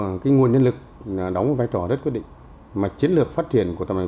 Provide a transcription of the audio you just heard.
và chất lượng cái nguồn nhân lực đóng vai trò rất quyết định mà chiến lược phát triển của tầm hành